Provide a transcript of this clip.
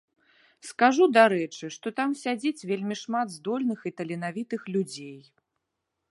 Скажу, дарэчы, што там сядзіць вельмі шмат здольных і таленавітых людзей.